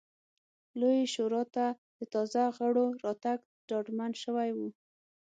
لویې شورا ته د تازه غړو راتګ ډاډمن شوی و.